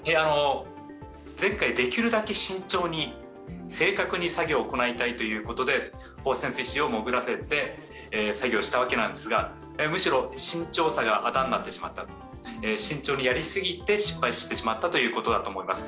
前回できるだけ慎重に、正確に作業を行いたいということで飽和潜水士を潜らせて作業したんですが、慎重にやりすぎて失敗してしまったということだと思います。